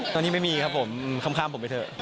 ตอนนี้ไม่มีครับผมข้ามผมไปเถอะ